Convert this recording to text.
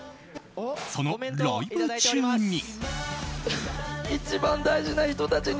そのライブ中に。